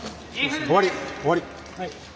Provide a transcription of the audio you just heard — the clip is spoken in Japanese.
終わり終わり！